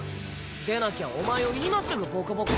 でなきゃお前を今すぐボコボコに。